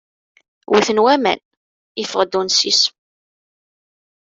Wwten waman, yeffeɣ-d unsis.